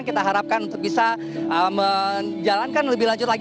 kita harapkan untuk bisa menjalankan lebih lanjut lagi